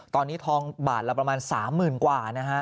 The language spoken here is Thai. ตอนนี้ทองบาทละประมาณ๓๐๐๐กว่านะฮะ